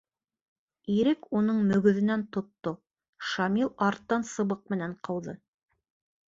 Ирек уның мөгөҙөнән тотто, Шамил арттан сыбыҡ менән ҡыуҙы.